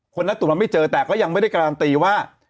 นัดตรวจมาไม่เจอแต่ก็ยังไม่ได้การันตีว่า